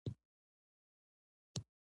حیوانات ځینې وختونه خطر احساسوي.